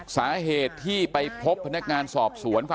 สาเหตุที่ไปพบพนักงานสอบสวน